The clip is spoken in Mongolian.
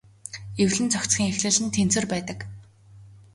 Эвлэн зохицохын эхлэл нь тэнцвэр байдаг.